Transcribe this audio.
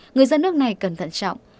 người dân nước này cần thận trọng